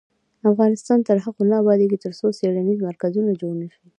افغانستان تر هغو نه ابادیږي، ترڅو څیړنیز مرکزونه جوړ نشي.